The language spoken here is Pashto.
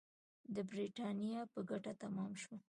د برېټانیا په ګټه تمام شول.